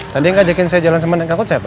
tadi yang ngajakin saya jalan semenan kakut siapa